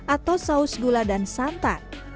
atau saus gula dan santan